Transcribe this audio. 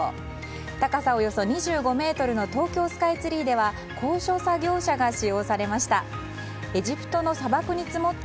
高さおよそ２５ｍの東京スカイツリーでは高所作業車が使用されました。